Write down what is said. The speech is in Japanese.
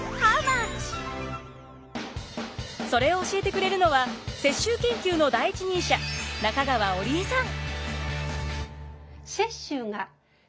それを教えてくれるのは雪洲研究の第一人者中川織江さん。